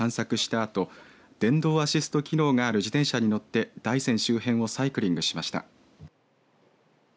あと電動アシスト機能がある自転車に乗って大山周辺をサイクリングしました。